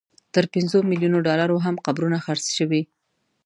تر پنځو ملیونو ډالرو هم قبرونه خرڅ شوي.